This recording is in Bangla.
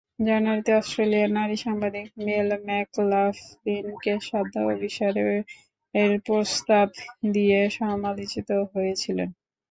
জানুয়ারিতে অস্ট্রেলিয়ান নারী সাংবাদিক মেল ম্যাকলাফলিনকে সান্ধ্য অভিসারের প্রস্তাব দিয়ে সমালোচিত হয়েছিলেন।